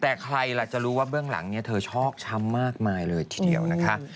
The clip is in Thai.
แต่ใครล่ะจะรู้ว่าเบื้องหลังเนี่ยเธอชอบช้ำมากมายเลยทีเดียวนะคะ